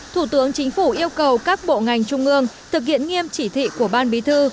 thủ tướng chính phủ yêu cầu các bộ ngành trung ương thực hiện nghiêm chỉ thị của ban bí thư